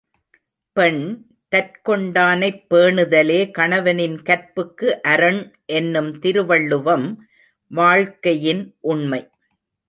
பெண், தற்கொண்டானைப் பேணுதலே கணவனின் கற்புக்கு அரண் என்னும் திருவள்ளுவம் வாழ்க்கையின் உண்மை.